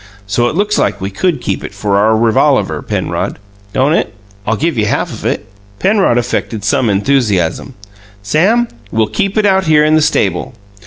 So it looks like we could keep it for our revolaver, Penrod, don't it? I'll give you half of it." Penrod affected some enthusiasm. "Sam, we'll keep it out here in the stable."